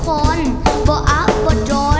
ยังเพราะความสำคัญ